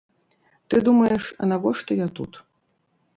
Ты думаеш, а навошта я тут?